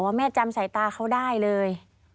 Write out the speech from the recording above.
แม่จำสายตาเขาได้เลย